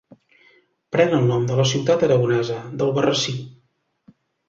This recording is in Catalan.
Pren el nom de la ciutat aragonesa d'Albarrasí.